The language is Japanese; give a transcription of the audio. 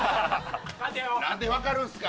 なんで分かるんですか。